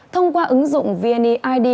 thông qua ứng dụng vniid